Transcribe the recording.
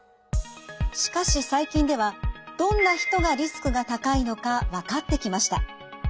しかし最近ではどんな人がリスクが高いのか分かってきました。